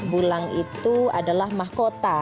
bulang itu adalah mahkota